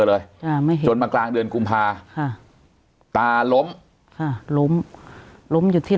เลยจนมากลางเดือนกุมภาค่ะตาล้มค่ะล้มล้มอยู่ที่